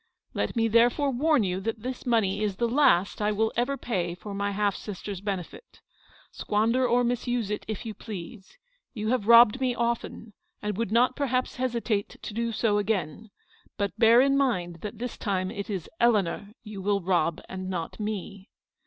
" Let me therefore warn you that this money is the last I will ever pay for my half sister's benefit. Squander or misuse it if you please. You have robbed me often, and would not perhaps hesitate to do so again. But bear in mind, that this time it is Eleanor you will rob and not me.